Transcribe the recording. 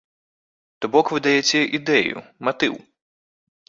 То бок вы даяце ідэю, матыў.